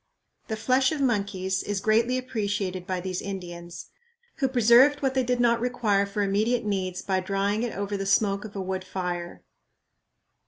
"The flesh of monkeys is greatly appreciated by these Indians, who preserved what they did not require for immediate needs by drying it over the smoke of a wood fire."